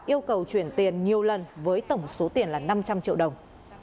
yêu cầu chuyển tiền nhiều lần với tổng số tiền là năm trăm linh triệu đồng